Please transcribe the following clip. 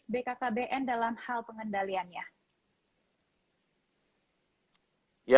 bkkbn dalam hal pengendaliannya